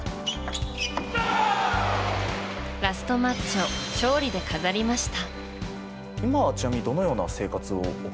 ラストマッチを勝利で飾りました。